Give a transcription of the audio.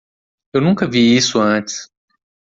Eu nunca vi isso antes.